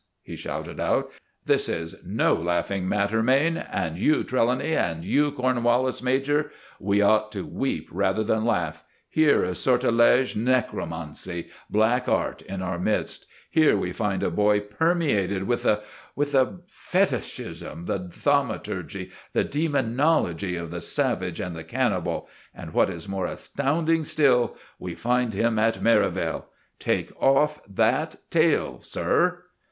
he shouted out. "This is no laughing matter, Mayne; and you, Trelawny; and you, Cornwallis major. We ought to weep rather than laugh. Here is sortilege, necromancy, black art in our midst! Here we find a boy permeated with the—with the fetishism, the thaumaturgy, the demonology of the savage and the cannibal. And, what is more astounding still, we find him at Merivale! Take off that tail, sir!"